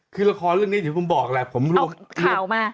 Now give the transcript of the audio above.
คือละครเรื่องนี้ที่ผมบอกแหละผมรู้ข่าวมา